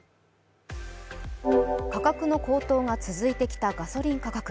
価格の高騰が続いてきたガソリン価格。